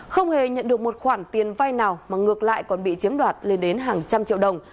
không hề nhận được một khoản tiền vay nào mà ngược lại còn bị chiếm đoạt lên đến hàng trăm triệu đồng